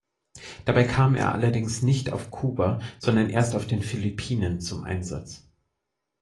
Dabei kam er allerdings nicht auf Kuba, sondern erst auf den Philippinen zum Einsatz.